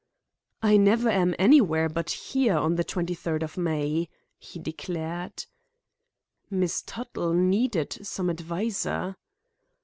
"I never am anywhere but here on the twenty third of May," he declared. "Miss Tuttle needed some adviser."